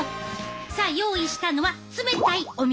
さあ用意したのは冷たいお水。